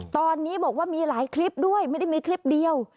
ตอนนี้บอกว่ามีหลายคลิปด้วยไม่ได้มีคลิปเดียว